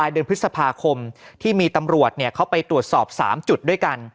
เดือนพฤษภาคมที่มีตำรวจเข้าไปตรวจสอบ๓จุดด้วยกัน